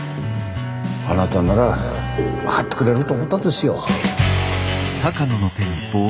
あなたなら分かってくれると思ったんですよ。